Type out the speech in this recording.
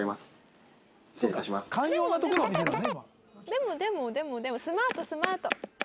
でもでもでもでもスマートスマート。